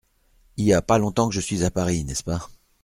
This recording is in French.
Y a pas longtemps que je suis à Paris, n’est-ce pas…